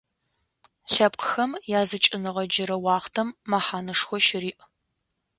Лъэпкъхэм языкӏыныгъэ джырэ уахътэм мэхьанэшхо щыриӏ.